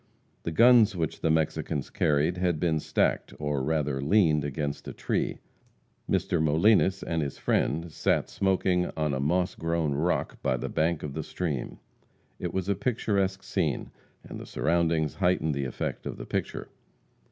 The guns which the Mexicans carried had been stacked, or rather leaned against a tree. Mr. Molines and his friend sat smoking on a moss grown rock by the bank of the stream. It was a picturesque scene, and the surroundings heightened the effect of the picture.